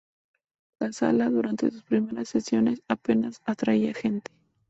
La sala, durante sus primeras sesiones apenas atraía gente.